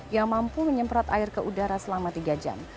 yang mampu menyemprot air ke udara selama tiga jam